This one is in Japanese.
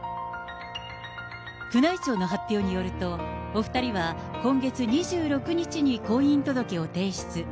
宮内庁の発表によると、お２人は今月２６日に婚姻届を提出。